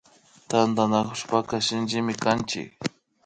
Tantanakushpaka Shinchimi kanchik